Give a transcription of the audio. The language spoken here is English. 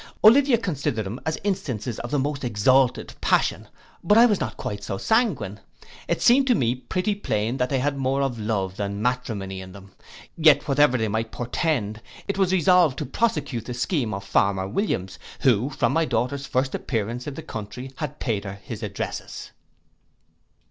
Olivia considered them as instances of the most exalted passion; but I was not quite so sanguine: it seemed to me pretty plain, that they had more of love than matrimony in them: yet, whatever they might portend, it was resolved to prosecute the scheme of farmer Williams, who, from my daughter's first appearance in the country, had paid her his addresses.